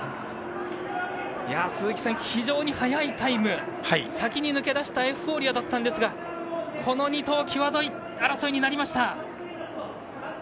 鈴木さん、非常に早いタイム先に抜け出したエフフォーリアだったんですがこの２頭際どい争いになりました。